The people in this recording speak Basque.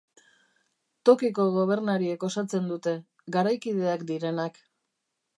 Tokiko gobernariek osatzen dute, garaikideak direnak.